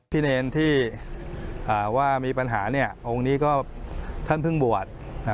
เนรที่ว่ามีปัญหาองค์นี้ก็ท่านเพิ่งบวช